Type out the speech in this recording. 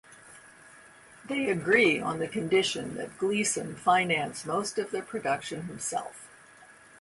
They agreed on the condition that Gleason finance most of the production himself.